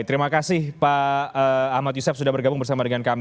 terima kasih pak ahmad yusef sudah bergabung bersama dengan kami